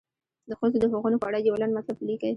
د ښځو د حقونو په اړه یو لنډ مطلب ولیکئ.